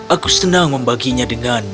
aku senang membaginya denganmu